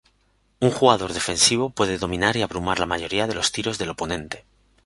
Un jugador defensivo puede dominar y abrumar la mayoría de los tiros del oponente.